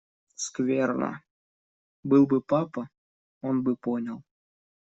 Скверно! Был бы папа, он бы понял.